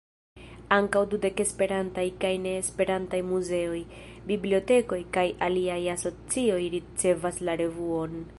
Ankaŭ dudek Esperantaj kaj ne-Esperantaj muzeoj, bibliotekoj kaj aliaj asocioj ricevas la revuon.